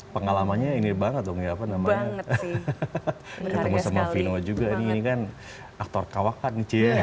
pengalamannya ini banget banget banget sama vino juga ini kan aktor kawakan